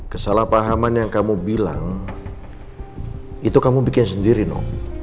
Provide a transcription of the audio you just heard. kesalahpahaman yang kamu bilang itu kamu bikin sendiri no